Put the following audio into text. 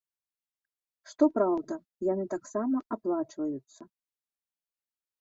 Што праўда, яны таксама аплачваюцца.